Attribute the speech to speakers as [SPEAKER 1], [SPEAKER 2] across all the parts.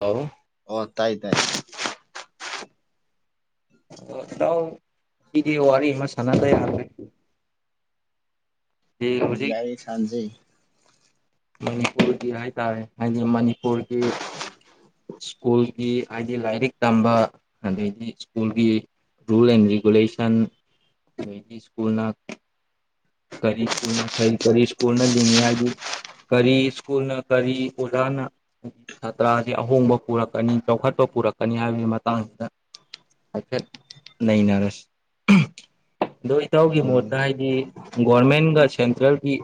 [SPEAKER 1] ꯍꯂ
[SPEAKER 2] ꯑꯣ ꯇꯥꯏ ꯇꯥꯏ
[SPEAKER 1] ꯑꯣꯗꯎ ꯁꯤꯗꯤ ꯋꯥꯔꯤ ꯏꯃ ꯁꯥꯟꯅ ꯂꯩꯦ
[SPEAKER 2] ꯍ ꯌꯥꯏ ꯁꯥꯟꯁꯤ
[SPEAKER 1] ꯃꯅꯤꯄꯨꯔꯒꯤ ꯍꯥꯏꯇꯥꯔꯦ ꯍꯥꯏꯗꯤ ꯃꯅꯤꯄꯨꯔꯒꯤ ꯁ꯭ꯀꯨꯜꯒꯤ ꯍꯥꯏꯗꯤ ꯂꯥꯏꯔꯤꯛ ꯇꯝꯕ ꯑꯗꯩꯗꯤ ꯁ꯭ꯀꯨꯜꯒꯤ ꯔꯨꯜ ꯑꯦꯟ ꯔꯦꯒꯨꯂꯁꯟ ꯏꯁ꯭ꯀꯨꯜ ꯀꯔꯤ ꯁ꯭ꯀꯨꯜꯅ ꯐ ꯀꯔꯤ ꯁ꯭ꯀꯨꯜꯅ ꯂꯤꯡꯉꯤ ꯍꯥꯏꯗꯤ ꯀꯔꯤ ꯁ꯭ꯀꯨꯜꯅ ꯀꯔꯤ ꯑꯣꯖꯥꯅ ꯍꯥꯏ ꯁꯥꯇ꯭ꯔꯁꯤꯦ ꯑꯍꯣꯡꯕ ꯄꯨꯔꯛꯀꯅꯤ ꯆꯥꯎꯈꯠꯄ ꯄꯨꯔꯛꯀꯅꯤ ꯍꯥꯏꯕꯒꯤ ꯃꯇꯥꯡꯁꯤꯗ ꯍꯥꯏꯐꯦꯠ ꯅꯩꯅꯔꯁꯤ ꯑꯗꯣ ꯏꯇꯥꯎꯒꯤ ꯃꯣꯠꯇ
[SPEAKER 2] ꯎꯝ
[SPEAKER 1] ꯍꯥꯏꯗꯤ ꯒꯣꯔꯃꯦꯟꯒ ꯁꯦꯟꯇ꯭ꯔꯦꯜꯒꯤ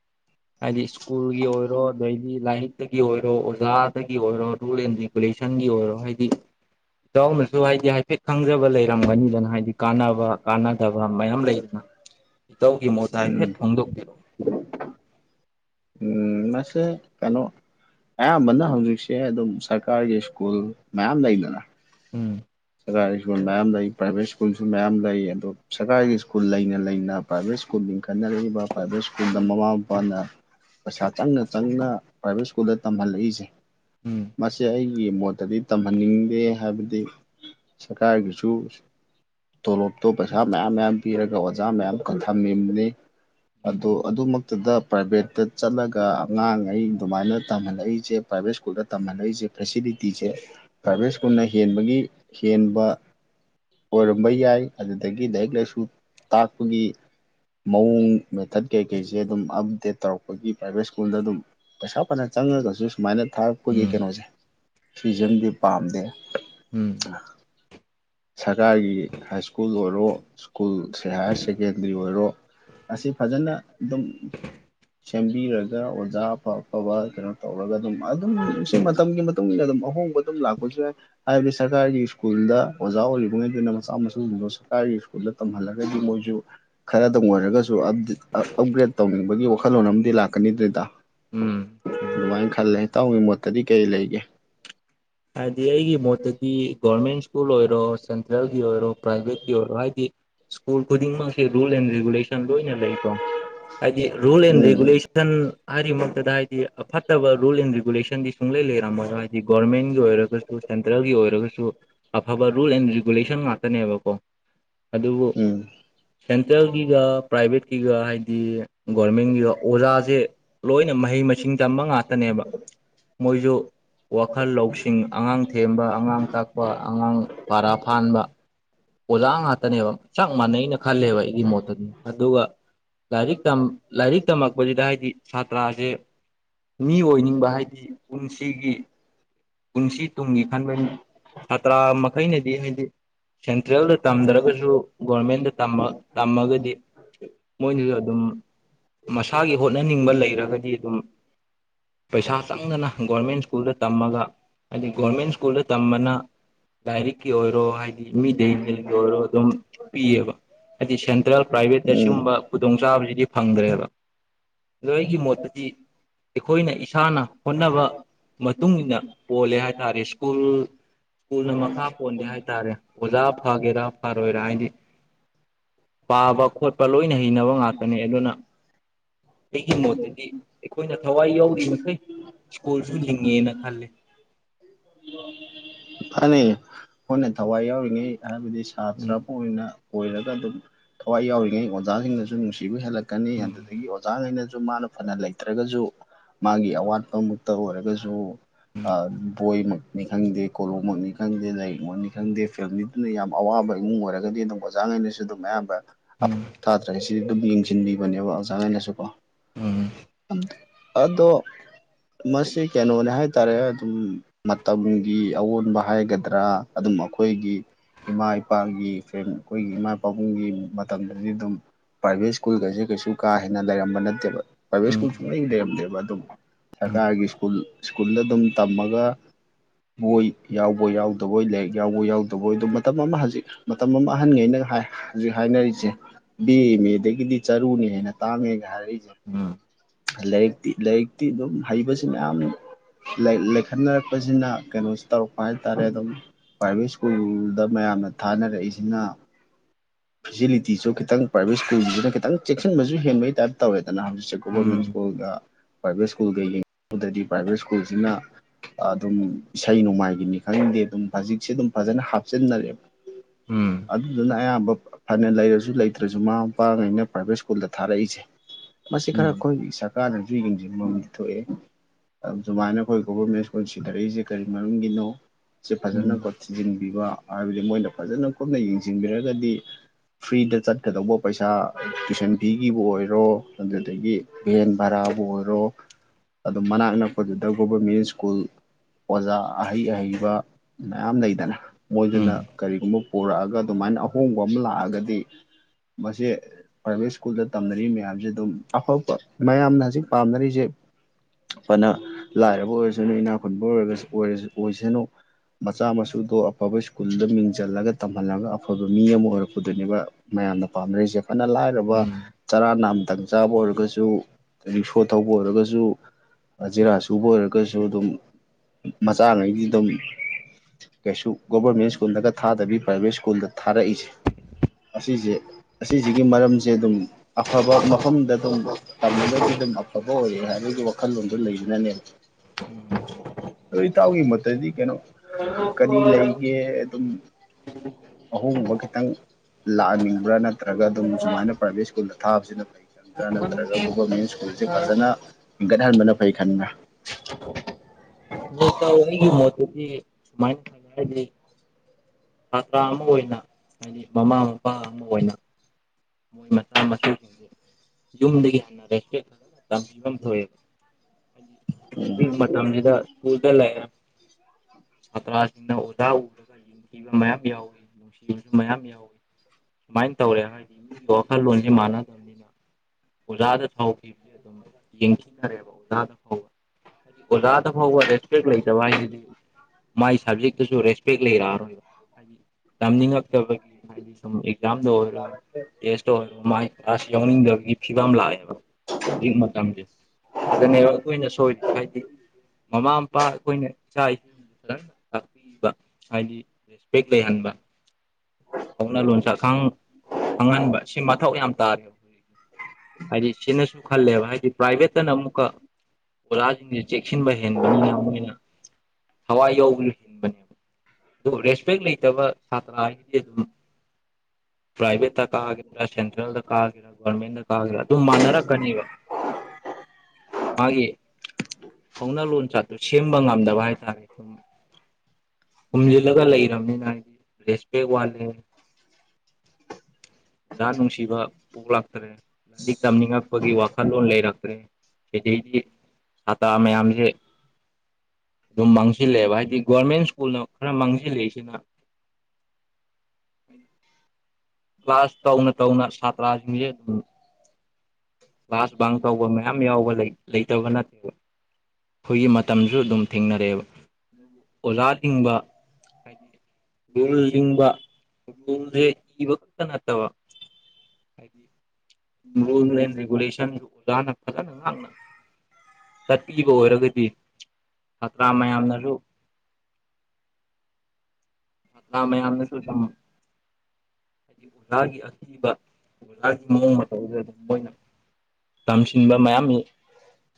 [SPEAKER 2] [inaudible]
[SPEAKER 1] ꯍꯥꯏꯗꯤ ꯁ꯭ꯀꯨꯜꯒꯤ ꯑꯣꯏꯔꯣ ꯑꯗꯩꯗꯤ ꯂꯥꯏꯔꯤꯛꯇꯒꯤ ꯑꯣꯏꯔꯣ ꯑꯣꯖꯥꯗꯒꯤ ꯑꯣꯏꯔꯣ ꯔꯨꯦꯟꯗꯤ ꯄꯣꯄꯨꯂꯦꯁꯟꯒꯤ ꯑꯣꯏꯔꯣ ꯍꯥꯏꯗꯤ ꯏꯧꯅꯁꯨ ꯍꯥꯏꯗꯤ ꯍꯥꯏꯐꯦꯠ ꯈꯪꯖꯕ ꯂꯩꯔꯝꯒꯅꯤꯗꯅ ꯍꯥꯏꯗꯤ ꯀꯥꯟꯅꯕ ꯀꯥꯟꯅꯗꯕ ꯃꯌꯥꯝ ꯂꯩꯗꯅ ꯏꯇꯧꯒꯤ ꯃꯣꯠꯇ ꯍꯥꯏꯐꯦꯠ
[SPEAKER 2] ꯎꯝ
[SPEAKER 1] ꯐꯣꯡꯗꯣꯛꯄꯤꯔꯣ
[SPEAKER 2] ꯃꯥꯁꯦ ꯀꯩꯅꯣ ꯑꯌꯥꯝꯕꯅ ꯍꯧꯖꯤꯛꯁꯦ ꯑꯗꯨꯝ ꯁꯔꯀꯥꯔꯒꯤ ꯁ꯭ꯀꯨꯜ ꯃꯌꯥꯝ ꯂꯩꯗꯅ
[SPEAKER 1] ꯎꯝ
[SPEAKER 2] ꯁꯔꯀꯥꯔꯒꯤ ꯁ꯭ꯀꯨꯜ ꯃꯌꯥꯝ ꯂꯩ ꯄ꯭ꯔꯥꯏꯚꯦꯠ ꯁ꯭ꯀꯨꯜꯁꯨ ꯃꯌꯥꯝ ꯂꯩ ꯑꯣ ꯁꯔꯀꯥꯔꯒꯤ ꯁ꯭ꯀꯨꯜ ꯂꯩꯅ ꯂꯩꯅ ꯄ꯭ꯔꯥꯏꯚꯦꯠ ꯁ꯭ꯀꯨꯜ ꯈꯟꯅꯔꯛꯏꯕ ꯄ꯭ꯔꯥꯏꯚꯦꯠ ꯁ꯭ꯀꯨꯜꯗ ꯃꯃꯥ ꯃꯄꯥꯅ ꯄꯩꯁꯥ ꯆꯪꯅ ꯆꯪꯅ ꯄ꯭ꯔꯥꯏꯚꯦꯠ ꯁ꯭ꯀꯨꯜꯗ ꯇꯝꯍꯜꯂꯛꯏꯁꯦ
[SPEAKER 1] ꯎꯝ
[SPEAKER 2] ꯃꯁ ꯑꯩꯒꯤ ꯃꯣꯠꯇꯗꯤ ꯇꯝꯍꯟꯅꯤꯡꯗꯦ ꯍꯥꯏꯕꯗꯤ ꯁꯀꯥꯏꯒꯤꯁꯨ ꯇꯣꯂꯣꯞꯇꯣ ꯄꯩꯁꯥ ꯃꯌꯥꯝ ꯃꯌꯥꯝ ꯄꯤꯔꯒ ꯑꯣꯖꯥ ꯃꯌꯥꯝ ꯀꯟꯊꯝꯃꯤꯕꯅꯤ
[SPEAKER 1] ꯎꯝ
[SPEAKER 2] ꯑꯣ ꯑꯗꯨꯃꯛꯇꯗ ꯄ꯭ꯔꯥꯏꯚꯦꯠꯇ ꯆꯠꯂꯒ ꯑꯉꯥꯡꯩ ꯑꯗꯨꯃꯥꯏꯅ ꯇꯝꯍꯜꯂꯛꯏꯁꯦ ꯄ꯭ꯔꯥꯏꯚꯦꯠ ꯁ꯭ꯀꯨꯜꯗ ꯇꯝꯍꯜꯂꯛꯏꯁꯦ ꯐꯦꯁꯤꯂꯤꯇꯤꯖꯦ ꯄ꯭ꯔꯥꯏꯚꯦꯠ ꯁ꯭ꯀꯨꯜꯅ ꯍꯦꯟꯕꯒꯤ ꯍꯦꯟꯕ ꯑꯣꯏꯔꯝꯕ ꯌꯥꯏ ꯑꯗꯨꯗꯒꯤ ꯂꯥꯏꯔꯤꯛ ꯂꯥꯏꯁꯨ ꯇꯥꯛꯄꯒꯤ ꯃꯑꯣꯡ ꯃꯦꯊꯠ ꯀꯩꯀꯩꯁꯦ ꯑꯗꯨꯝ ꯑꯞꯗꯦꯠ ꯇꯧꯔꯛꯄꯒꯤ ꯄ꯭ꯔꯥꯏꯚꯦꯠ ꯁ꯭ꯀꯨꯜꯗ ꯑꯗꯨꯝ ꯄꯩꯁꯥ ꯐꯅꯥ ꯆꯪꯉꯒꯁꯨ ꯁꯨꯃꯥꯏꯅ ꯊꯥꯔꯛꯄꯒꯤ ꯀꯩꯅꯣꯁꯦ ꯔꯤꯖꯟꯗꯤ ꯄꯥꯝꯗꯦ
[SPEAKER 1] ꯎꯝ ꯎꯝ
[SPEAKER 2] [inaudible] ꯁꯔꯀꯥꯔꯒꯤ ꯍꯥꯏ ꯁ꯭ꯀꯨꯜ ꯑꯣꯏꯔꯣ ꯁ꯭ꯀꯨꯜꯁꯦ ꯍꯥꯏꯌꯔ ꯁꯦꯀꯦꯟꯗ꯭ꯔꯤ ꯑꯣꯏꯔꯣ ꯑꯁꯤ ꯐꯖꯟꯅ ꯑꯗꯨꯝ ꯁꯦꯝꯕꯤꯔꯒ ꯑꯣꯖꯥ ꯑꯐ ꯑꯐꯕ ꯀꯩꯅꯣ ꯇꯧꯔꯒ ꯑꯗꯨꯝ ꯑꯗꯨꯝꯁꯦ ꯃꯇꯝꯒꯤ ꯃꯇꯨꯡ ꯏꯟꯅ ꯑꯗꯨꯝ ꯑꯍꯣꯡꯕ ꯑꯗꯨꯝ ꯂꯥꯛꯄꯁꯨ ꯌꯥꯏ ꯍꯥꯏꯕꯗꯤ ꯁꯔꯀꯥꯔꯒꯤ ꯁ꯭ꯀꯨꯜꯗ ꯑꯣꯖꯥ ꯑꯣꯏꯔꯤꯕꯉꯩꯗꯨꯅ ꯃꯆꯥ ꯃꯁꯨꯁꯤꯡꯗꯣ ꯁꯔꯀꯥꯔꯒꯤ ꯁ꯭ꯀꯨꯜꯗ ꯇꯝꯍꯜꯂꯒꯗꯤ ꯃꯣꯏꯁꯨ ꯈꯔꯗꯪ ꯑꯣꯏꯔꯒꯁꯨ ꯑꯞꯒ꯭ꯔꯦꯗ ꯇꯧꯅꯤꯡꯕꯒꯤ ꯋꯥꯈꯜꯂꯣꯟ ꯑꯃꯗꯤ ꯂꯥꯛꯀꯅꯤꯗ꯭ꯔꯤꯗ
[SPEAKER 1] ꯎꯝ
[SPEAKER 2] ꯑꯗꯨꯃꯥꯏꯅ ꯈꯜꯂꯦ ꯏꯇꯥꯎꯒꯤ ꯃꯣꯠꯇꯗꯤ ꯀꯩ ꯂꯩꯒꯦ
[SPEAKER 1] ꯍꯥꯏꯗꯤ ꯑꯩꯒꯤ ꯃꯣꯠꯇꯗꯤ ꯒꯣꯔꯃꯦꯟ ꯁ꯭ꯀꯨꯜ ꯑꯣꯏꯔꯣ ꯁꯦꯟꯇ꯭ꯔꯦꯜꯒꯤ ꯑꯣꯏꯔꯣ ꯄ꯭ꯔꯥꯏꯚꯦꯠꯀꯤ ꯑꯣꯏꯔꯣ ꯍꯥꯏꯗꯤ ꯁ꯭ꯀꯨꯜ ꯈꯨꯗꯤꯡꯃꯛꯁꯦ ꯔꯨꯜ ꯑꯦꯟ ꯔꯤꯒꯨꯂꯦꯁꯟ ꯌꯥꯝ ꯂꯣꯏꯅ ꯂꯩꯕ ꯍꯥꯏꯗꯤ ꯔꯨꯜ ꯑꯦꯟ
[SPEAKER 2] ꯎꯝ
[SPEAKER 1] ꯔꯦꯒꯨꯂꯦꯁ - ꯇꯟ ꯍꯥꯏꯔꯤ ꯃꯛꯇꯗ ꯍꯥꯏꯗꯤ ꯑ ꯐꯠꯇꯕ ꯔꯨꯜ ꯑꯦꯟ ꯔꯤꯒꯨꯂꯦꯁꯟꯗꯤ ꯁꯨꯡꯂꯩ ꯂꯩꯔꯝꯃꯣꯏ ꯍꯥꯏꯗꯤ ꯒꯣꯚꯔꯃꯦꯟ ꯑꯣꯏꯔꯒꯁꯨ ꯁꯦꯟꯇ꯭ꯔꯦꯜꯒꯤ ꯑꯣꯏꯔꯒꯁꯨ ꯑꯐꯕ ꯔꯨꯜ ꯑꯦꯟ ꯔꯤꯒꯨꯂꯦꯁꯟ ꯉꯥꯛꯇꯅꯦꯕꯀꯣ ꯑꯗꯨꯕꯨ
[SPEAKER 2] ꯎꯝ
[SPEAKER 1] ꯁꯦꯟꯇ꯭ꯔꯦꯜꯒꯤꯒ ꯄ꯭ꯔꯥꯏꯚꯦꯠꯀꯤꯒ ꯍꯥꯏꯗꯤ ꯒꯣꯚꯔꯃꯦꯟꯒꯤꯒ ꯑꯣꯖꯥꯁꯦ ꯂꯣꯏꯅ ꯃꯍꯩ ꯃꯁꯤꯡ ꯇꯝꯕ ꯉꯥꯛꯇꯅꯦꯕ ꯃꯣꯏꯁꯨ ꯋꯥꯈꯜ ꯂꯧꯁꯤ - ꯏꯡ ꯑꯉꯥꯡ ꯊꯦꯝꯕ ꯑꯉꯥꯡ ꯇꯥꯛꯄ ꯑꯉꯥꯡ ꯄꯔꯥ ꯐꯥꯍꯟꯕ ꯑꯣꯖꯥ ꯉꯥꯛꯇꯅꯦꯕ ꯆꯞ ꯃꯥꯟꯅꯩꯅ ꯈꯜꯂꯦꯕ ꯑꯩꯒꯤ ꯃꯣꯠꯇꯗꯤ ꯑꯗꯨꯒ ꯂꯥꯏꯔꯤꯛ ꯇꯝ ꯂꯥꯏꯔꯤꯛ ꯇꯝꯃꯛꯄꯖꯤꯗ ꯍꯥꯏꯗꯤ ꯁꯥꯇ꯭ꯔꯁꯦ ꯃꯤ ꯑꯣꯏꯅꯤꯡꯕ ꯍꯥꯏꯗꯤ ꯄꯨꯟꯁꯤꯒꯤ ꯄꯨꯟꯁꯤ ꯇꯨꯡꯒꯤ ꯈꯟꯕꯅꯤ ꯁꯥꯇ꯭ꯔ ꯃꯈꯩꯅꯗꯤ ꯍꯥꯏꯗꯤ ꯁꯦꯟꯇ꯭ꯔꯦꯜꯗ ꯇꯝꯗ꯭ꯔꯒꯁꯨ ꯒꯣꯚꯔꯃꯦꯟꯗ ꯇꯝꯃ- ꯇꯝꯃꯒꯗꯤ ꯃꯣꯏꯅꯁꯨ ꯑꯗꯨꯝ ꯃꯁꯥꯒꯤ ꯍꯣꯠꯅꯅꯤꯡꯕ ꯂꯩꯔꯒꯗꯤ ꯑꯗꯨꯝ ꯄꯩꯁꯥ ꯆꯪꯗꯅ ꯒꯣꯔꯃꯦꯟ ꯁ꯭ꯀꯨꯜꯗ ꯇꯝꯃꯒ ꯍꯥꯏꯗꯤ ꯒꯣꯔꯃꯦꯟ ꯁ꯭ꯀꯨꯜꯗ ꯇꯝꯕꯅ ꯂꯥꯏꯔꯤꯛꯀꯤ ꯑꯣꯏꯔꯣ ꯍꯥꯏꯗꯤ ꯃꯤ ꯗꯦꯃꯤꯜꯒꯤ ꯑꯣꯏꯔꯣ ꯑꯗꯨꯝ ꯄꯤꯌꯦꯕ ꯍꯥꯏꯗꯤ ꯁꯦꯟꯇ꯭ꯔꯦꯜ ꯄ꯭ꯔꯥꯏꯚꯦꯠꯇ
[SPEAKER 2] ꯎꯝ
[SPEAKER 1] ꯁꯤꯒꯨꯝꯕ ꯈꯨꯗꯣꯡ ꯆꯥꯕꯁꯤꯗꯤ ꯐꯪꯗ꯭ꯔꯦꯕ ꯗꯨ ꯑꯩꯒꯤ ꯃꯣꯠꯇꯗꯤ ꯑꯩꯈꯣꯏꯅ ꯏꯁꯥꯅ ꯍꯣꯠꯅꯕ ꯃꯇꯨꯡ ꯏꯟꯅ ꯄꯣꯜꯂꯦ ꯍꯥꯏꯇꯥꯔꯦ ꯁ꯭ꯀꯨꯜ ꯁ꯭ꯀꯨꯜꯅ ꯃꯈꯥ ꯄꯣꯟꯗꯦ ꯍꯥꯏꯇꯥꯔꯦ ꯑꯣꯖꯥ ꯐꯒꯦꯔꯥ ꯐꯔꯣꯏꯔꯥ ꯍꯥꯏꯗꯤ ꯄꯥꯕ ꯈꯣꯠꯄ ꯂꯣꯏꯅ ꯍꯩꯅꯕ ꯉꯥꯛꯇꯅꯦ ꯑꯗꯨꯅ ꯑꯩꯒꯤ ꯃꯣꯠꯇꯗꯤ ꯑꯩꯈꯣꯏꯅ ꯊꯋꯥꯏ ꯌꯥꯎꯔꯤꯃꯈꯩ ꯁ꯭ꯀꯨꯜꯁꯨ ꯂꯤꯡꯉꯦꯅ ꯈꯜꯂꯦ
[SPEAKER 2] [inaudible] ꯐꯅꯤ ꯍꯣꯏꯅ ꯊꯋꯥꯏ ꯌꯥꯎꯔꯤꯉꯩ ꯍꯥꯏꯕꯗꯤ ꯁꯥꯇ꯭ꯔꯥ
[SPEAKER 1] ꯎꯝ
[SPEAKER 2] ꯑꯃ ꯑꯣꯏꯅ ꯑꯣꯏꯔꯒ ꯗꯨꯝ ꯊꯋꯥꯏ ꯌꯥꯎꯔꯤꯉꯩ ꯑꯣꯖꯥꯁꯤꯡꯅꯁꯨ ꯅꯨꯡꯁꯤꯕ ꯍꯦꯜꯂꯛ- ꯀꯅꯤ
[SPEAKER 1] ꯎꯝ
[SPEAKER 2] ꯑꯗꯨꯗꯒꯤ ꯑꯣꯖꯥꯒꯩꯅꯁꯨ ꯃꯥꯅ ꯐꯅ ꯂꯩ- ꯇ꯭ꯔꯒꯁꯨ ꯃꯥꯒꯤ ꯑꯋꯥꯠꯄ ꯃꯨꯛꯇ ꯑꯣꯏꯔꯒꯁꯨ ꯑꯥ ꯕꯣꯏꯃꯛꯅꯤ ꯈꯪꯗꯦ ꯀꯣꯂꯣꯝꯃꯛꯅꯤ ꯈꯪꯗꯦ ꯂꯥꯏꯔꯤꯛꯃꯛꯅꯤ ꯈꯪꯗꯦ ꯐꯦꯃꯤꯂꯤꯗꯨꯅ ꯌꯥꯝ ꯑꯋꯥꯕ ꯏꯃꯨꯡ ꯑꯣꯏꯔꯒꯗꯤ ꯑꯗꯨꯝ ꯑꯣꯖꯥꯉꯩꯅꯁꯨ ꯑꯗꯨꯝ ꯑꯌꯥꯝꯕ ꯑꯐ ꯊꯥꯗ꯭ꯔꯦ ꯁꯤ ꯑꯗꯨꯝ ꯌꯦꯡꯁꯤꯟꯕꯤꯕꯅꯦꯕ ꯑꯣꯖꯥ ꯉꯩꯅꯁꯨꯀꯣ
[SPEAKER 1] ꯎꯝ
[SPEAKER 2] ꯑꯗꯣ ꯃꯁꯤ ꯀꯩꯅꯣꯅꯦ ꯍꯥꯏꯇꯥꯔꯦ ꯑꯗꯨꯝ ꯃꯇꯝꯒꯤ ꯑꯑꯣꯟꯕ ꯍꯥꯏꯒꯗ꯭ꯔꯥ ꯑꯗꯨꯝ ꯃꯈꯣꯏꯒꯤ ꯏꯃꯥ ꯏꯄꯥꯒꯤ ꯐ꯭ꯔꯦꯟ ꯑꯈꯣꯏꯒꯤ ꯏꯃꯥ ꯄꯥꯥꯕꯨꯡꯒꯤ ꯃꯇꯝꯗꯗꯤ ꯑꯗꯨꯝ ꯄ꯭ꯔꯥꯏꯚꯦꯠ ꯁ꯭ꯀꯨꯜꯒꯁꯦ ꯀꯩꯁꯨ ꯀꯥ ꯍꯦꯟꯅ ꯂꯩꯔꯝꯕ ꯅꯠꯇꯦꯕ ꯄ꯭ꯔꯥꯏꯚꯦꯠ
[SPEAKER 1] ꯎꯝ
[SPEAKER 2] ꯁ꯭ꯀꯨꯜ ꯁꯨꯡꯂꯩ ꯂꯩꯔꯝꯗꯦꯕ ꯑꯗꯨꯝ ꯁꯔꯀꯥꯔꯒꯤ ꯁ꯭ꯀꯨꯜ ꯁ꯭ꯀꯨꯜꯗ ꯑꯗꯨꯝ ꯇꯝꯃꯒ ꯕꯣꯏ ꯌꯥꯎꯕꯣꯏ ꯌꯥꯎꯗꯕꯣꯏ ꯂꯥꯏꯔꯤꯛ ꯌꯥꯎꯕꯣꯏ ꯌꯥꯎꯗꯕꯣꯏ ꯑꯗꯣ ꯃꯇꯝ ꯑꯃ ꯍꯧꯖꯤꯛ ꯃꯇꯝ ꯑꯃ ꯑꯍꯟꯒꯩꯅ ꯍꯥꯏ -ꯍꯥ ꯖꯤ ꯍꯥꯏꯅꯔꯤꯖꯦ ꯕꯤꯃꯦ ꯑꯦꯃꯦꯗꯒꯤꯗꯤ ꯆꯔꯨꯅꯦ ꯍꯥꯏꯅ ꯇꯥꯡꯉꯦꯒ ꯍꯥꯏꯔꯛꯏꯖꯦ
[SPEAKER 1] ꯎꯝ
[SPEAKER 2] ꯂꯥꯏꯔꯤꯛꯇꯤ ꯂꯥꯏꯔꯤꯛꯇꯤ ꯑꯗꯨꯝ ꯍꯩꯕꯁꯤ ꯃꯌꯥꯝꯅꯦꯕ꯫ ꯂꯩ ꯂꯩꯈꯠꯅꯔꯛꯄꯁꯤꯅ ꯀꯩꯅꯣꯁꯤ ꯇꯧꯔꯛꯄ ꯍꯥꯏꯇꯥꯔꯦ ꯑꯗꯨꯝ ꯄ꯭ꯔꯥꯏꯚꯦꯠ ꯁ꯭ꯀꯨꯜꯗ ꯃꯌꯥꯝꯅ ꯊꯥꯅꯔꯛꯏꯁꯤꯅ, ꯐꯦꯁꯤꯂꯤꯇꯤꯁꯨ ꯈꯤꯇꯪ ꯄ꯭ꯔꯥꯏꯚꯦꯠ ꯁ꯭ꯀꯨꯜꯁꯤꯅ ꯈꯤꯇꯪ ꯆꯦꯛꯁꯤꯟꯕꯁꯨ ꯍꯦꯟꯕꯒꯤ ꯇꯥꯏꯞ ꯇꯧꯔꯦꯗꯅ ꯍꯧꯖꯤꯛ꯫ ꯒꯣꯕꯔꯃꯦꯟ
[SPEAKER 1] ꯎꯝ
[SPEAKER 2] ꯁ꯭ꯀꯨꯜ ꯗ꯫ ꯄ꯭ꯔꯥꯏꯚꯦꯠ ꯁ꯭ꯀꯨꯜꯒ ꯌꯦꯡꯕꯗꯗꯤ ꯄ꯭ꯔꯥꯏꯚꯦꯠ ꯁ꯭ꯀꯨꯜꯁꯤꯅ ꯑꯗꯨꯝ, ꯏꯁꯩ ꯅꯣꯡꯃꯥꯏꯒꯤꯅꯤ ꯈꯪꯅꯤꯡꯗꯦ ꯑꯗꯨꯝ ꯍꯨꯖꯤꯛꯁꯦ ꯑꯗꯨꯝ ꯐꯖꯅ ꯍꯥꯞꯆꯤꯟꯅꯔꯛꯑꯦꯕ꯫
[SPEAKER 1] ꯎꯝ
[SPEAKER 2] ꯑꯗꯨꯗꯨꯅ ꯑꯌꯥꯝꯕ ꯐꯅ ꯂꯩꯔꯁꯨ ꯂꯩꯇ꯭ꯔꯁꯨ ꯃꯃꯥ ꯃꯄꯥꯒꯩꯅ ꯄ꯭ꯔꯥꯏꯚꯦꯠ ꯁ꯭ꯀꯨꯜꯗ ꯊꯥꯔꯛꯏꯁꯦ ꯃꯁꯤ ꯈꯔ
[SPEAKER 1] ꯎꯝ
[SPEAKER 2] ꯑꯩꯈꯣꯏꯒꯤ ꯏꯁꯠ - ꯀꯥꯔꯅꯁꯨ ꯌꯦꯡꯁꯤꯟꯕꯝꯗꯤ ꯊꯣꯛꯑꯦ ꯑꯗꯨꯃꯥꯏꯅ ꯑꯩꯈꯣꯏ ꯒꯣꯕꯔꯃꯦꯟ ꯁ꯭ꯀꯨꯜ ꯁꯤꯙꯔꯛꯏꯁꯦ ꯀꯔꯤ ꯃꯔꯝꯒꯤꯅꯣ ꯁꯤ ꯐꯖꯟꯅ
[SPEAKER 1] ꯎꯝ
[SPEAKER 2] ꯀꯣ- ꯊꯤꯖꯤꯟꯕꯤꯕ ꯍꯥꯏꯕꯗꯤ ꯃꯣꯏꯅ ꯐꯖꯟꯅ ꯀꯨꯞꯅ ꯌꯦꯡꯁꯤꯟꯕꯤꯔꯒꯗꯤ ꯐ꯭ꯔꯤꯗ ꯆꯠꯀꯗꯧꯕ ꯄꯩꯁꯥ ꯇꯨꯏꯁꯟ ꯐꯤꯒꯤꯕꯨ ꯑꯣꯏꯔꯣ ꯑꯗꯨꯗꯒꯤ ꯚꯦꯟ ꯚꯔꯥꯕꯨ ꯑꯣꯏꯔꯣ ꯑꯗꯨꯝ ꯃꯅꯥꯛ ꯅꯛꯄꯗꯨꯗ ꯒꯣꯕꯔꯃꯦꯟ ꯁ꯭ꯀꯨꯜ ꯑꯣꯖꯥ ꯑꯍꯩ ꯑꯍꯩꯕ꯫ ꯃꯌꯥꯝ ꯂꯩꯗꯅ,
[SPEAKER 1] ꯎꯝ
[SPEAKER 2] ꯃꯣꯏꯗꯅ ꯀꯔꯤꯒꯨꯝꯕ ꯄꯨꯔꯛꯑꯒ ꯑꯗꯨꯃꯥꯏꯅ ꯑꯍꯣꯡꯕ ꯑꯃ ꯂꯥꯛꯑꯒꯗꯤ, ꯃꯁꯦ ꯄ꯭ꯔꯥꯏꯚꯦꯠ ꯁ꯭ꯀꯨꯜꯗ ꯇꯝꯅꯔꯤ ꯃꯌꯥꯝꯁꯦ ꯑꯗꯨꯝ ꯑꯐꯕ ꯃꯌꯥꯝꯅ ꯍꯧꯖꯤꯛ ꯄꯥꯝꯅꯔꯤꯁꯦ, ꯐꯅ ꯂꯥꯏꯔꯕ ꯑꯣꯏꯔꯁꯅꯨ ꯏꯅꯥ ꯈꯨꯟꯕ ꯑꯣꯏꯔꯒꯁꯨ ꯑꯣꯏꯁꯅꯨ ꯃꯆꯥ ꯃꯁꯨꯗꯣ ꯑꯐꯕ ꯁ꯭ꯀꯨꯜꯗ ꯃꯤꯡꯁꯤꯜꯂꯒ ꯇꯝꯍꯜꯂꯒ ꯑꯐꯕ ꯃꯤ ꯑꯃ ꯑꯣꯏꯔꯛꯄꯗꯨꯅꯦꯕ꯫ ꯃꯌꯥꯝꯅ ꯄꯥꯝꯅꯔꯤꯁꯦ, ꯐꯅ ꯂꯥꯏꯔꯕ
[SPEAKER 1] ꯎꯝ
[SPEAKER 2] ꯆꯔꯥ ꯅꯥꯝꯇꯪ ꯆꯥꯕ ꯑꯣꯏꯔꯒꯁꯨ ꯔꯤꯛꯁꯣ ꯊꯧꯕ ꯑꯣꯏꯔꯒꯁꯨ꯫ ꯍꯖꯦꯔꯥ ꯁꯨꯕ ꯑꯣꯏꯔꯒꯁꯨ ꯑꯗꯨꯝ, ꯃꯆꯥ ꯉꯩꯗꯤ ꯑꯗꯨꯝ ꯀꯩꯁꯨ ꯒꯣꯕꯔꯃꯦꯟ ꯁ꯭ꯀꯨꯜꯗꯒ ꯊꯥꯗꯕꯤ ꯄ꯭ꯔꯥꯏꯕꯦꯠ ꯁ꯭ꯀꯨꯜꯗ ꯊꯥꯔꯛꯏꯁꯦ꯫ ꯑꯁꯤꯁꯦ ꯑꯁꯤꯁꯤꯒꯤ ꯃꯔꯝꯁꯦ ꯑꯗꯨꯝ꯫ ꯑꯐꯕ ꯃꯐꯝꯗ ꯑꯗꯨꯝ ꯇꯝꯃꯒꯗꯤ ꯑꯗꯨꯝ ꯑꯐꯕ ꯑꯣꯏꯌꯦ ꯍꯥꯏꯕꯒꯤ ꯋꯥꯈꯜꯂꯣꯟꯗꯣ ꯂꯩꯕꯅꯅꯦꯕ꯫ ꯑꯗꯣ ꯏꯇꯥꯎꯒꯤ ꯃꯣꯠꯇꯗꯤ ꯀꯩꯅꯣ ꯀꯔꯤ ꯂꯩꯒꯦ ꯑꯗꯨꯝ, ꯑꯍꯣꯡꯕ ꯈꯤꯇꯪ꯫ ꯂꯥꯛꯍꯟꯅꯤꯡꯕ꯭ꯔꯥ ꯅꯠꯇ꯭ꯔꯒ ꯑꯗꯨꯝ ꯁꯨꯃꯥꯏꯅ ꯄꯥꯏꯚꯦꯠ ꯁ꯭ꯀꯨꯜꯗ ꯊꯥꯕꯁꯤꯅ ꯐꯩ꯫
[SPEAKER 1] ꯎꯝ
[SPEAKER 2] ꯅꯠꯇ꯭ꯔꯒ ꯒꯣꯕꯔꯃꯦꯟ ꯁ꯭ꯀꯨꯜꯁꯦ ꯐꯖꯅ ꯍꯦꯟꯒꯠꯍꯟꯕꯅ ꯐꯩ ꯈꯟꯕ꯭ꯔꯥ?
[SPEAKER 1] ꯇ ꯑꯩꯒꯤ ꯃꯣꯠꯇꯗꯤ ꯁꯨꯃꯥꯏꯅ ꯐꯪꯉꯦ ꯍꯥꯏꯔꯗꯤ [unintelligible] ꯁꯥꯇ꯭ꯔ ꯑꯃ ꯑꯣꯏꯅ ꯍꯥꯏꯗꯤ ꯃꯃꯥ ꯃꯄꯥ ꯑꯃ ꯑꯣꯏꯅ꯫ ꯃꯣꯏ ꯃꯆꯥ ꯃꯁꯨꯨꯁꯤꯡꯁꯦ [unintelligible] ꯌꯨꯝꯗꯒꯤ ꯍꯟꯅꯔꯛꯇꯦ ꯐꯖꯅ ꯇꯝꯕꯤꯕ ꯑꯝ ꯊꯣꯛꯑꯦꯕ꯫ ꯍꯧ ꯃꯇꯝꯁꯤꯗ ꯁ꯭ꯀꯨꯜꯗ ꯂꯩꯔ ꯁꯥꯇ꯭ꯔꯁꯤꯡꯅ ꯑꯣꯖꯥ ꯎꯔꯒ ꯌꯦꯕ ꯃꯌꯥꯝ ꯌꯥꯎꯋꯤ ꯅꯨꯡꯁꯤꯕꯁꯨ ꯃꯌꯥꯝ ꯌꯥꯎꯋꯤ [unintelligible] ꯁꯨꯃꯥꯏꯅ ꯇꯧꯔꯦ ꯍꯥꯏꯗꯤ ꯃꯤꯒꯤ ꯋꯥꯈꯜꯂꯣꯟꯁꯦ ꯃꯥꯟꯅꯗꯕꯅꯤꯅ꯫ ꯑꯣꯖꯥꯗ ꯐꯈꯤꯕꯁꯦ ꯑꯗꯨꯝ ꯌꯦꯡꯁꯤꯅꯔꯦꯕ ꯑꯣꯖꯥꯗ ꯐ ꯍꯥꯏꯗꯤ ꯑꯣꯖꯥꯗ [unintelligible] ꯐꯥꯎꯕ ꯔꯦꯁꯄꯦꯛ ꯂꯩꯇꯕ ꯍꯥꯏꯁꯤꯗꯤ ꯃꯥꯏ ꯁꯕꯖꯦꯛꯇꯁꯨ ꯔꯦꯁꯄꯦꯛ ꯂꯩꯔꯛꯑꯔꯣꯏ꯫ ꯍꯥꯏꯗꯤ ꯇꯝꯅꯤꯡꯉꯛꯇꯕꯒꯤ ꯍꯥꯏꯗꯤ ꯁꯨꯝ ꯑꯦꯛꯖꯥꯝꯗ ꯑꯣꯏꯔꯣ, ꯇꯦꯁꯇ ꯑꯣꯏꯔꯣ ꯃꯥꯏ ꯀ꯭ꯂꯥꯁ ꯌꯥꯎꯅꯤꯡꯗꯕꯒꯤ ꯐꯤꯕꯝ ꯂꯥꯛꯑꯦꯕ꯫ ꯍꯧꯖꯤꯛ ꯃꯇꯝꯁꯦ ꯁꯤꯗꯅꯦꯕ ꯑꯩꯈꯣꯏꯅ ꯁꯣꯏ ꯍꯥꯏꯗꯤ, ꯃꯃꯥ ꯃꯄꯥ ꯑꯩꯈꯣꯏꯅ ꯏꯆꯥ ꯏꯁꯨꯁꯤꯡ ꯐꯖꯅ ꯇꯥꯛꯄꯤꯕ ꯍꯥꯏꯗꯤ, ꯔꯦꯁꯄꯦꯛ ꯂꯩꯍꯟꯕ꯫ ꯍꯧꯅ ꯂꯣꯟꯆꯠ ꯈꯪ ꯈꯪꯍꯟꯕ ꯁꯤ ꯃꯊꯧ ꯌꯥꯝ ꯇꯥꯔꯦꯕ꯫ ꯍꯧꯖꯤꯛ ꯍꯥꯏꯗꯤ ꯁꯤꯅꯁꯨ ꯈꯜꯂꯦꯕ ꯍꯥꯏꯗꯤ ꯄ꯭ꯔꯥꯏꯚꯦꯠꯇꯅ ꯑꯃꯨꯛꯀ, ꯑꯣꯖꯥꯁꯤꯡꯁꯦ ꯆꯦꯛꯁꯤꯟꯕ ꯍꯦꯟꯕꯅꯤꯅ ꯃꯣꯏꯅ, ꯊꯋꯥꯏ ꯌꯎꯕꯒꯤ ꯍꯤꯡꯕꯅꯦ ꯑꯗꯨ ꯏꯐꯦꯛ ꯂꯩꯇꯕ ꯁꯥꯇ꯭ꯔ ꯍꯥꯏꯁꯤꯗꯤ ꯑꯗꯨꯝ, ꯄ꯭ꯔꯥꯏꯚꯦꯠꯇ ꯀꯥꯒꯦꯔꯥ ꯁꯦꯟꯇ꯭ꯔꯦꯜꯗ ꯀꯥꯒꯦꯔꯥ ꯒꯚꯔꯃꯦꯟꯗ ꯀꯥꯒꯦꯔꯥ ꯑꯗꯨꯝ ꯃꯥꯟꯅꯔꯛꯀꯅꯤꯕ꯫
[SPEAKER 2] ꯎ [inaudible]
[SPEAKER 1] ꯃꯥꯦ ꯍꯧꯅ ꯂꯣꯟꯆꯠꯇꯨ ꯁꯦꯝꯕ ꯉꯝꯗꯕ ꯍꯥꯏꯇꯥꯔꯦ ꯁꯨꯝ ꯈꯨꯝꯖꯤꯜꯂꯒ ꯂꯩꯔꯕꯅꯤꯅ ꯍꯥꯏꯗꯤ ꯔꯦꯁꯄꯦꯛ ꯋꯥꯠꯂꯦ
[SPEAKER 2] [unintelligible]
[SPEAKER 1] ꯑꯣꯖꯥ ꯅꯨꯡꯁꯤꯕ ꯄ ꯂꯥꯛꯇꯔꯦ ꯂꯥꯏꯔꯤꯛ ꯇꯝꯅꯤꯡꯉꯛꯄꯒꯤ ꯋꯥꯈꯜꯂꯣꯟ ꯂꯩꯔꯛꯇ꯭ꯔꯦ ꯁꯤꯗꯩꯗꯤ ꯁꯥꯇꯥ ꯃꯌꯥꯝꯁꯦ, ꯑꯗꯨꯝ ꯃꯥꯡꯁꯤꯜꯂꯛꯑꯦꯕ ꯍꯥꯏꯗꯤ ꯒꯣꯔꯃꯦꯟ ꯁ꯭ꯀꯨꯜꯅ ꯈꯔ ꯃꯥꯡꯁꯤꯜꯂꯛꯏꯁꯤꯅ ꯀ꯭ꯂꯥꯁ
[SPEAKER 2] ꯚꯔ
[SPEAKER 1] ꯇꯧꯅ ꯇꯧꯅ
[SPEAKER 2] ꯑꯣꯏꯅ
[SPEAKER 1] ꯁꯥꯇ꯭ꯔꯁꯤꯡꯁꯦ ꯑꯗꯨꯝ
[SPEAKER 2] [unintelligible]
[SPEAKER 1] ꯀ꯭ꯂꯥꯁ ꯕꯪ ꯇꯧꯕ ꯃꯌꯥꯝ ꯌꯥꯎꯕ ꯂꯩ, ꯂꯩꯇꯕ ꯅꯠꯇꯦꯕ꯫ ꯑꯩꯈꯣꯏꯒꯤ ꯃꯇꯝꯁꯨ ꯑꯗꯨꯝ ꯊꯦꯡꯅꯔꯛꯑꯦꯕ꯫ ꯑꯗꯨꯕꯨ ꯑꯣꯖꯥ ꯂꯤꯡꯕ ꯍꯥꯏꯗꯤ ꯔꯨꯜ ꯏꯤꯡꯕ ꯔꯨꯜꯁꯦ ꯏꯕ ꯈꯛꯇ ꯅꯠꯇꯕ ꯍꯥꯏꯗꯤ
[SPEAKER 2] ꯎꯝ
[SPEAKER 1] ꯔꯨꯜ ꯑꯦꯟ ꯔꯦꯒꯨꯂꯦꯁꯟꯖꯅ ꯐꯖ ꯅꯪ ꯂꯪꯅ ꯆꯠꯄꯤꯕ ꯑꯣꯏꯔꯒꯗꯤ ꯍꯇ꯭ꯔꯥ ꯃꯌꯥꯝꯅꯁꯨ ꯑ ꯃ ꯑꯝꯃꯦ ꯆꯨꯁꯝ ꯎꯖꯥꯒꯤ ꯑꯀꯤꯕ ꯎꯖꯥꯒꯤ ꯃꯑꯣꯡ ꯃꯇꯧꯗꯨꯗ ꯑꯗꯨꯝ ꯃꯣꯏꯅ ꯇꯝꯁꯤꯟꯕ ꯃꯌꯥꯝ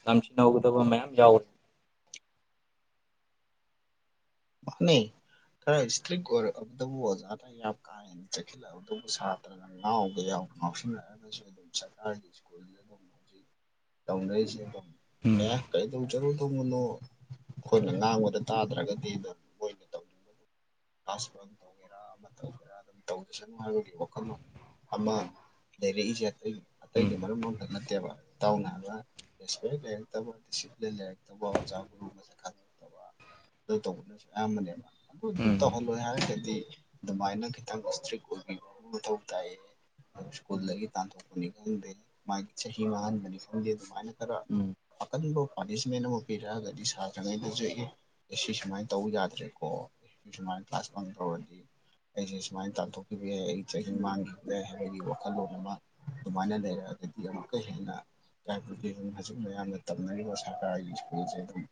[SPEAKER 1] ꯇꯝꯁꯤꯟꯍꯧꯒꯗꯕ ꯃꯌꯥꯝ ꯌꯥꯎꯔꯦ
[SPEAKER 2] ꯈꯔ ꯏꯁꯇ꯭ꯔꯤꯛ ꯑꯕꯗꯖꯥ ꯀꯥ ꯆꯂ ꯁꯥ ꯉꯥꯎꯕꯒ ꯌꯥꯎ ꯉꯥꯎꯁꯤꯟꯅꯔꯒꯁꯨ ꯑꯗꯨꯝ ꯁꯔꯀꯥꯔꯒꯤ ꯁꯀꯨꯜꯗ ꯑꯗꯨꯝ ꯇꯁ
[SPEAKER 1] ꯎꯝ
[SPEAKER 2] ꯑꯦ ꯀꯩꯗꯧꯖꯔꯨ ꯇꯣꯡꯉꯨꯅꯣ ꯑꯩꯈꯣꯏꯅ ꯉꯥꯡꯕꯗ ꯇꯥꯗ꯭ꯔꯒꯗꯤ ꯔꯥꯥꯁꯕꯪꯣꯡꯒꯦꯔ ꯈ ꯑꯗꯨꯝ ꯇꯧꯖꯁꯅꯨ ꯍꯥꯏꯕꯒꯤ ꯋꯥꯈꯜꯂꯣꯟ ꯑꯃ ꯂꯩꯔꯛꯏꯁꯦ ꯑꯇꯩ
[SPEAKER 1] ꯎꯝ
[SPEAKER 2] ꯑꯇꯩꯒꯤ ꯃꯔꯨꯝ ꯑꯃꯇ ꯅꯠꯇꯦꯕ ꯇꯥꯎꯅꯕ ꯔꯦꯁꯄꯦꯛ ꯂꯩꯔꯛꯇꯕ ꯗꯤꯁꯤꯄ꯭ꯂꯤꯟ ꯂꯩꯔꯛꯇꯕ ꯑꯣꯖꯥ ꯒꯨꯔꯨꯒꯁꯦ ꯈꯟꯗꯛꯇꯕ ꯇ ꯃꯅꯤ
[SPEAKER 1] ꯎꯝ
[SPEAKER 2] ꯇꯧꯍꯜꯂꯣꯏ ꯍꯥꯏꯔꯒꯗꯤ ꯑꯗꯨꯃꯥꯏꯅ ꯈꯤꯇꯪ ꯏꯁꯇ꯭ꯔꯤꯛ ꯑꯣꯏꯕꯤꯕ ꯃꯊꯧ ꯇꯥꯏ ꯁ꯭ꯀꯨꯜꯗꯒꯤ ꯇꯥꯟꯊꯣꯛꯄꯅꯤ ꯈꯪꯗꯦ ꯃꯥꯒꯤ ꯆꯍꯤ ꯃꯥꯡꯍꯟꯕꯅꯤ ꯐꯐꯝꯗꯤꯦ ꯑꯗꯨꯃꯥꯏꯅ
[SPEAKER 1] ꯎꯝ
[SPEAKER 2] ꯈꯔꯀꯅꯤꯡꯕꯣ ꯄꯥꯅꯤꯁꯃꯦꯟ ꯑꯃ ꯄꯤꯔꯛꯑꯒꯗꯤ ꯁꯥ꯭ꯔꯉꯩꯗ ꯆꯏ ꯑꯁꯤ ꯁꯨꯃꯥꯏꯅ ꯇꯧꯕ ꯌꯥꯗ꯭ꯔꯦꯀꯣ ꯃꯥ ꯐꯥꯁ ꯐ ꯐꯗꯤ ꯑꯩꯁꯦ ꯁꯨꯃꯥꯏꯅ ꯇꯥꯟꯊꯣꯛꯈꯤꯕ ꯌꯥꯏ ꯑꯩ ꯆꯍꯤ ꯃꯥꯡꯈꯤꯕ ꯌꯥꯏ ꯍꯥꯏꯕꯒꯤ ꯋꯥꯈꯜꯂꯣꯟ ꯑꯃ ꯃꯅ ꯂꯩꯔꯗꯤ ꯑꯃ ꯀꯩꯅ ꯑꯗꯨꯝ ꯍꯧꯖꯤꯛ ꯃꯌꯥꯝꯅ ꯇꯝꯅꯔꯤꯕ ꯁꯔꯀꯥꯔꯒꯤ ꯁ꯭ꯀꯨꯜꯁꯦ ꯑꯗꯨꯝ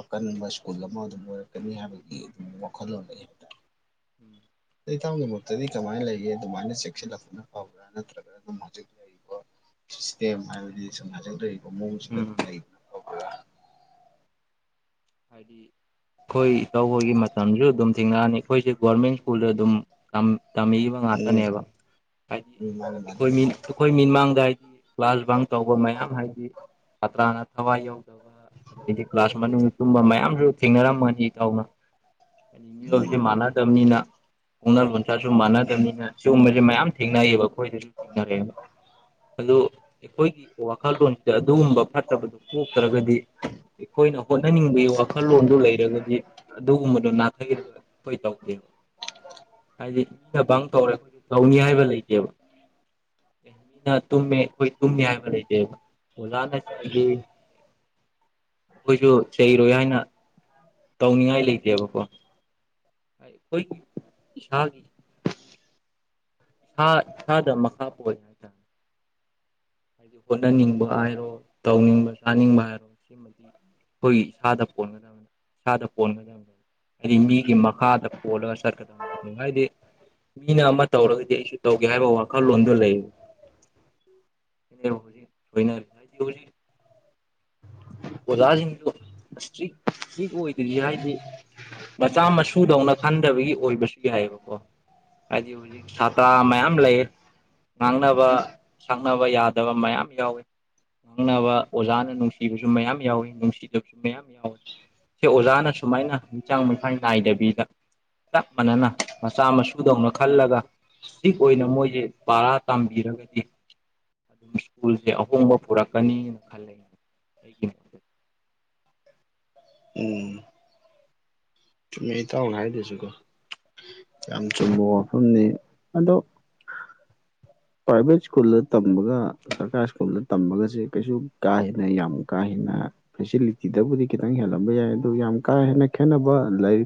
[SPEAKER 2] ꯑꯀꯟꯕ ꯁ꯭ꯀꯨꯜ ꯑꯃ ꯑꯗꯨꯝ ꯑꯣꯏꯔꯛꯀꯅꯤ ꯍꯥꯏꯕꯒꯤ ꯑꯗꯨꯝ ꯋꯥꯈꯜꯂꯣꯟ ꯂꯩ ꯍꯥꯏ ꯇꯔꯦ
[SPEAKER 1] ꯎꯝ
[SPEAKER 2] ꯏ ꯊꯥꯎꯒꯤ ꯃꯛꯇꯗꯤ ꯀꯃꯥꯏꯅ ꯂꯩꯒ ꯑꯗꯨꯃꯥꯏꯅ ꯆꯦꯛꯁꯤꯜꯂꯛꯄꯅ ꯐꯕ꯭ꯔꯥ ꯅꯠꯇ꯭ꯔꯒ ꯑꯗꯨꯝ ꯍꯧꯖꯤꯛ ꯂꯩꯔꯤꯕ꯭ꯔꯣ ꯁꯤꯁꯇꯦꯝ ꯍꯥꯏꯕꯗꯤ ꯁꯪꯅꯖꯪꯗꯔꯤꯕ ꯃꯑꯣꯡꯁꯤꯡꯗ
[SPEAKER 1] ꯎꯝ
[SPEAKER 2] ꯑꯗꯨꯝ ꯂꯩ
[SPEAKER 1] ꯍꯥꯏꯗꯤ ꯑꯩꯈꯣꯏ ꯇꯧꯕꯒꯤ ꯃꯇꯝꯁꯨ ꯑꯗꯨꯝ ꯊꯦꯡꯅꯑꯅꯤ ꯑꯩꯈꯣꯏꯁꯦ ꯣꯔꯃꯦꯟ ꯁ꯭ꯀꯨꯜ ꯑꯗꯨꯝ ꯇꯝꯃꯤꯕ
[SPEAKER 2] ꯎꯝ
[SPEAKER 1] ꯉꯥꯛꯇꯅꯦꯕ ꯍꯥꯏꯗꯤ
[SPEAKER 2] ꯎꯝ ꯃꯥꯅꯦ ꯃꯥꯅꯦ
[SPEAKER 1] ꯑꯩꯈꯣꯏ ꯃꯤꯅ ꯑꯩꯈꯣꯏ ꯃꯤꯠꯃꯥꯡꯗ ꯍꯥꯏꯗꯤ ꯀ꯭ꯂꯥꯁꯕꯥ ꯇꯧꯕ ꯃꯌꯥꯝ ꯍꯥꯏꯗꯤ ꯁꯥꯇ꯭ꯔꯥꯅ ꯊꯋꯥꯏ ꯌꯧꯗꯕ ꯑꯩꯗꯤ ꯀ꯭ꯂꯥꯁ ꯃꯅꯨꯡ ꯀꯨꯝꯕ ꯃꯌꯥꯝꯁꯨ ꯊꯦꯡꯅꯔꯝꯃꯅꯤ ꯏꯇꯧꯅ ꯍꯥꯏ ꯃꯤꯑꯣꯏꯕꯕꯁꯤ
[SPEAKER 2] ꯎꯝ
[SPEAKER 1] ꯃꯥꯟꯅꯗꯕꯅꯤꯅ ꯄꯛꯅ ꯂꯣꯟꯁꯥꯁꯨ ꯃꯥꯟꯅꯗꯕꯅꯤꯅ ꯁꯤꯒꯨꯝꯕꯁꯦ ꯃꯌꯥꯝ ꯊꯦꯡꯅꯩꯑꯕ ꯑꯩꯈꯣꯏꯗꯁꯨ ꯊꯦꯡꯅꯔꯛꯑꯦꯕ ꯑꯗꯨ ꯑꯩꯈꯣꯏꯒꯤ ꯋꯥꯈꯜꯂꯣꯟꯁꯤꯗ ꯑꯗꯨꯒꯨꯝꯕ ꯐꯠꯇꯕꯗꯨ ꯄꯣꯛꯇ꯭ꯔꯒꯗꯤ ꯑꯩꯈꯣꯏꯅ ꯍ ꯈꯠꯅꯅꯤꯡꯕꯒꯤ ꯋꯥꯈꯜꯂꯣꯟꯗꯨ ꯂꯩꯔꯒꯗꯤ ꯑꯗꯨꯒꯨꯝꯕꯗꯨꯣ ꯅꯥꯊꯩꯔꯒ ꯑꯩꯈꯣꯏ ꯇꯧꯗꯦꯕ ꯍꯥꯏꯗꯤ ꯃꯤꯅ ꯪ ꯇꯧꯔꯦ ꯑꯩꯈꯣꯏꯒꯤ ꯂꯧꯅꯤ ꯍꯥꯏꯕ ꯂꯩꯇꯦꯕ ꯃꯤꯅ ꯇꯨꯝꯃꯦ ꯑꯩꯈꯣꯏ ꯇꯨꯝꯃꯦ ꯍꯥꯏꯕ ꯂꯩꯇꯦꯕ ꯑꯣꯂꯥꯅ ꯆꯩ ꯑꯩꯈꯣꯏꯁꯨ ꯆꯩꯔꯣꯏ ꯍꯥꯏꯅ ꯇꯧꯅꯤꯡꯉꯥꯏ ꯂꯩꯇꯦꯕꯀꯣ ꯑꯩꯈꯣꯏꯒꯤ ꯏꯁꯥꯒꯤ ꯏꯁꯥ ꯏꯁꯥꯗ ꯃꯈꯥ [unintelligible] ꯍꯥꯏꯗꯤ ꯍꯣꯠꯅꯅꯤꯡꯕ ꯍꯥꯏꯔꯣ ꯇꯧꯅꯤꯡꯕ ꯆꯥꯅꯤꯡꯕ ꯍꯥꯏꯔꯣ ꯁ꯭ꯔꯤꯃꯇ ꯑꯩꯈꯣꯏꯒꯤ ꯏꯁꯥꯗ ꯄꯣꯟꯒꯗꯕꯅꯤ ꯏꯁꯥꯗ ꯄꯣꯟꯒꯗꯕꯅꯦ ꯍꯥꯏꯗꯤ ꯃꯤꯒꯤ ꯃꯈꯥꯗ ꯍꯣꯂ ꯁꯔ ꯀꯗꯅꯨꯡꯉꯥꯏꯗꯤ ꯃꯤꯅ ꯑꯃ ꯇꯧꯔꯒꯗꯤ ꯑꯩꯁꯨ ꯇꯧꯒꯦ ꯍꯥꯏꯕ ꯋꯥꯈꯜꯂꯣꯟꯗ ꯂꯩꯕ [unintelligible] [unintelligible] ꯑꯣꯖꯥꯁꯤꯡꯗꯨ ꯏꯁꯇ꯭ꯔꯤꯛ ꯏꯁꯇ꯭ꯔꯤꯛ ꯑꯣꯏꯗ꯭ꯔꯤ ꯍꯥꯏꯗꯤ ꯃꯆꯥ ꯃꯁꯨꯗꯧꯅ ꯈꯟꯗꯕꯒꯤ ꯑꯣꯏꯕꯁꯨ ꯌꯥꯏꯑꯕꯀꯣ ꯍꯥꯏꯗꯤ ꯍꯧꯖꯤꯛ ꯁꯥꯇ꯭ꯔ ꯃꯌꯥꯝ ꯂꯩ ꯉꯥꯡꯅꯕ ꯁꯥꯡꯅꯕ ꯌꯥꯗꯕ ꯃꯌꯥꯝ ꯌꯥꯎꯋꯤ ꯉꯪꯅꯕ ꯑꯣꯖꯥꯅ ꯅꯨꯡꯁꯤꯕꯁꯨ ꯃꯌꯥꯝ ꯌꯥꯎꯋꯤ ꯅꯨꯡꯁꯤꯗꯕꯁꯨ ꯃꯌꯥꯝ ꯌꯥꯎꯋꯤ ꯁꯦ ꯑꯣꯖꯥꯅ ꯁꯨꯃꯥꯏꯅ ꯃꯤꯁꯥꯡ ꯃꯁꯥꯡ ꯅꯥꯏꯗꯕꯤꯗ ꯆꯞ ꯃꯥꯟꯅꯅ ꯃꯆꯥ ꯃꯁꯨꯗꯧꯅ ꯈꯜꯂꯒ
[SPEAKER 2] [unintelligible]
[SPEAKER 1] ꯏꯁꯇ꯭ꯔꯤꯛ ꯑꯣꯏꯅ ꯃꯣꯏꯁꯦ ꯄꯔꯥ ꯇꯝꯕꯤꯔꯒꯗꯤ ꯑꯗꯨꯝ ꯏꯁ꯭ꯀꯨꯜꯁꯦ ꯑꯍꯣꯡꯕ ꯄꯨꯔꯛꯀꯅꯤꯅ ꯈꯜꯂꯅꯦ ꯑꯩꯒꯤꯅꯦ
[SPEAKER 2] ꯎꯝ ꯆꯨꯝꯃꯦ ꯏꯇꯥꯎꯅ ꯍꯥꯏꯗꯁꯨꯀꯣ ꯌꯥꯝ ꯆꯨꯝꯕ ꯋꯥꯐꯝꯅꯤ ꯑꯗꯣ ꯄ꯭ꯔꯥꯏꯚꯦꯠ ꯏꯁ꯭ꯀꯨꯜꯗ ꯇꯝꯕꯒ ꯁꫪꯀꯥꫪ ꯏꯁ꯭ꯀꯨꯜꯗ ꯇꯝꯕꯒꯁꯦ ꯀꯩꯁꯨ ꯀꯥ ꯍꯦꯟꯅ ꯌꯥꯝ ꯀꯥ ꯍꯦꯟꯅ ꯐꯦꯁꯤꯂꯤꯇꯤꯗꯕꯨꯗꯤ ꯈꯤꯇꯪ ꯍꯦꯜꯂꯝꯕ ꯌꯥꯏ ꯑꯗꯨ ꯌꯥꯝ ꯀꯥ ꯍꯦꯟꯅ ꯈꯦꯠꯅꯕ ꯂꯥꯏꯔꯤꯛ